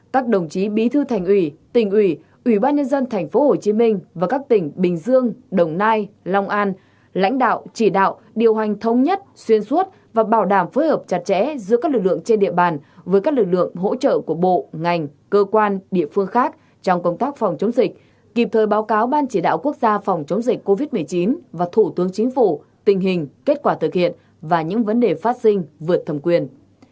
bảy các đồng chí bí thư thành ủy tỉnh ủy ủy ban nhân dân tp hcm và các tỉnh bình dương đồng nai long an lãnh đạo chỉ đạo điều hành thông nhất xuyên suốt và bảo đảm phối hợp chặt chẽ giữa các lực lượng trên địa bàn với các lực lượng hỗ trợ của bộ ngành cơ quan địa phương khác trong công tác phòng chống dịch kịp thời báo cáo ban chỉ đạo quốc gia phòng chống dịch covid một mươi chín và thủ tướng chính phủ tình hình kết quả thực hiện và những vấn đề phát sinh vượt thầm quyền